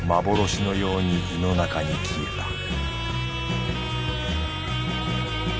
幻のように胃の中に消えた